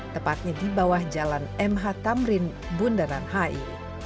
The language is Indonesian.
tepatnya di bawah jalan mh tamrin bundanan hai